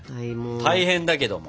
大変だけども。